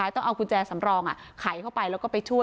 ต้องเอากุญแจสำรองไขเข้าไปแล้วก็ไปช่วย